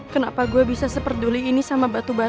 kenapa gue bisa seperduli ini sama batu bata